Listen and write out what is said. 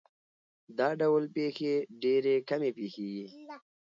دا ډول پېښې ډېرې کمې پېښېږي.